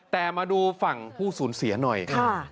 แต่มาดูฝั่งผู้สูญเสียหน่อย